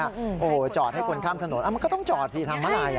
โอ้โหจอดให้คนข้ามถนนมันก็ต้องจอดสิทางมาลาย